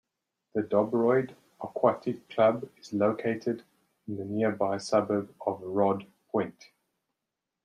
The Dobroyd Aquatic Club is located in the nearby suburb of Rodd Point.